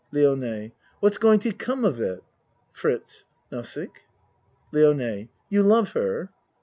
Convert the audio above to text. LIONE What's going to come of it? FRITZ Nodding. LIONE You love her?